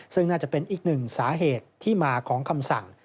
ซึ่งน่าจะเป็นอีกหนึ่งสาเหตุที่มาของคำสั่ง